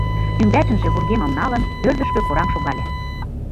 Ӱмбачынже вургемым налын, ӧрдыжкӧ кораҥ шогале.